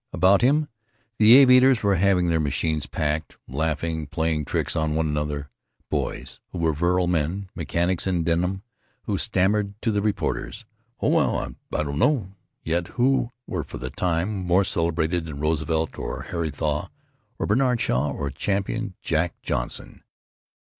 About him, the aviators were having their machines packed, laughing, playing tricks on one another—boys who were virile men; mechanics in denim who stammered to the reporters, "Oh, well, I don't know——" yet who were for the time more celebrated than Roosevelt or Harry Thaw or Bernard Shaw or Champion Jack Johnson.